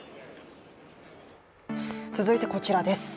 続いてこちらです。